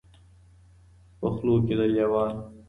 په خولو کي د لېوانو